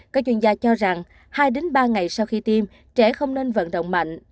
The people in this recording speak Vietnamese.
các chuyên gia cho rằng hai ba ngày sau khi tiêm trẻ không nên vận động mạnh